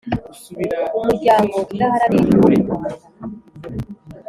umuryango udaharanira inyungu mu rwanda